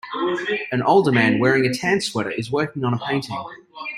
An older man wearing a tan sweater is working on a painting.